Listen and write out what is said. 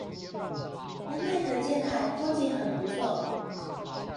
陽台可見海，風景很不錯